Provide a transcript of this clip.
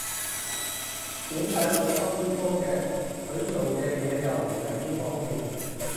點解會收呢科嘅？佢做嘅嘢又唔係呢方面